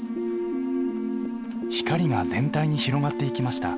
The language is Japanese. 光が全体に広がっていきました。